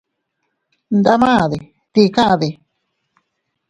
Ndamade ¿tii kade?